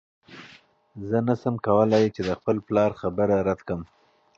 زه نشم کولی چې د خپل پلار خبره رد کړم.